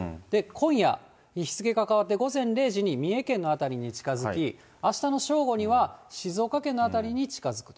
今夜、日付が変わって午前０時に三重県の辺りに近づき、あしたの正午には静岡県の辺りに近づく。